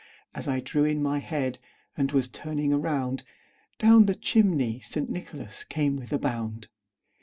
As I drew in my head, and was turning around, Down the chimney St. Nicholas came with a bound.